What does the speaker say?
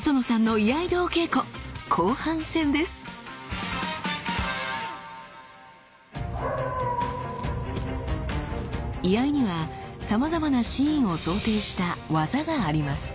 居合にはさまざまなシーンを想定した業があります。